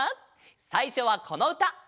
さいしょはこのうた。